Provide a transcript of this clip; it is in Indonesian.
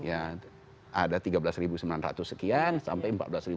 ya ada tiga belas sembilan ratus sekian sampai empat belas seratus